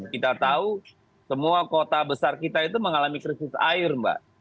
kita tahu semua kota besar kita itu mengalami krisis air mbak